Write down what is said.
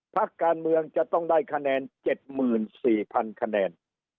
พักการเมืองจะต้องได้คะแนน๗๔๐๐๐คะแนน